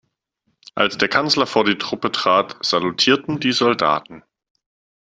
Als der Kanzler vor die Truppe trat, salutierten die Soldaten.